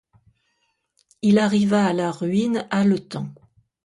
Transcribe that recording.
Il arriva à la ruine haletant.